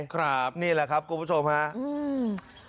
ครับนี่แหละครับคุณผู้ชมครับ